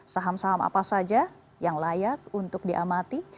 saham saham apa saja yang layak untuk diamati